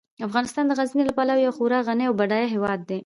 افغانستان د غزني له پلوه یو خورا غني او بډایه هیواد دی.